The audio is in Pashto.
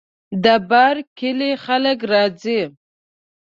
د بر کلي خلک راځي.